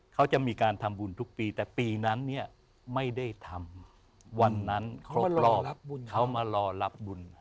เขาจะมีการทำบุญทุกปีแต่ปีนั้นเนี่ยไม่ได้ทำวันนั้นครบรอบเขามารอรับบุญ